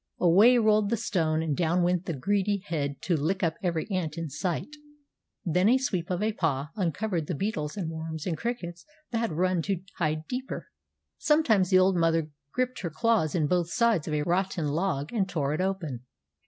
Away rolled the stone, and down went the greedy head to lick up every ant in sight. Then a sweep of a paw uncovered the beetles and worms and crickets that had run to hide deeper. Sometimes the old mother gripped her claws in both sides of a rotten log and tore it open.